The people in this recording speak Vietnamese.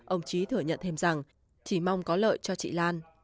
ông trí thừa nhận thêm rằng chỉ mong có lợi cho chị lan